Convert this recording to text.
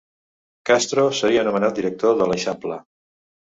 Castro seria nomenat director de l'Eixample.